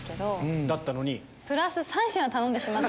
だったのに？